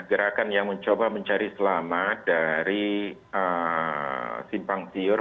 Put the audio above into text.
gerakan yang mencoba mencari selamat dari simpang siur